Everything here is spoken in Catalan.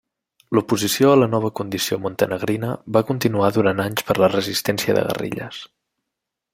L'oposició a la nova condició montenegrina va continuar durant anys per la resistència de guerrilles.